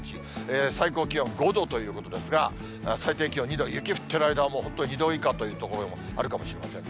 最高気温５度ということですが、最低気温２度、雪降ってる間は、もう２度以下という所もあるかもしれませんね。